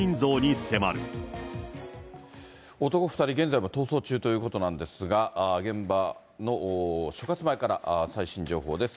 男２人、現在も逃走中ということなんですが、現場の所轄前から最新情報です。